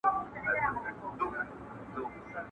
زه غواړم چي د نوي نسل لپاره يو کتاب وليکم.